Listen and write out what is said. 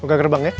ya muka gerbangnya